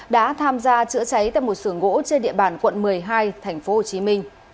đã tham gia chữa cháy tại một sưởng gỗ trên địa bàn quận một mươi hai tp hcm